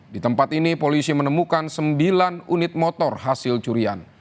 di tempat ini polisi menemukan sembilan unit motor hasil curian